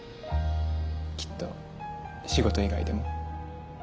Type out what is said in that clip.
きっと仕事以外でも。